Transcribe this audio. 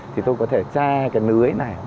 thì tôi có thể che cái lưới này